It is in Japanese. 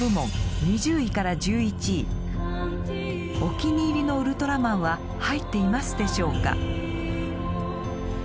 お気に入りのウルトラマンは入っていますでしょうか？